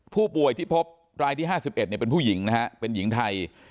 ผู้ป่วยที่พบรายที่๕๑เป็นผู้หญิงนะฮะเป็นหญิงไทย